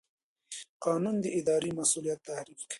قانون د اداري مسوولیت تعریف کوي.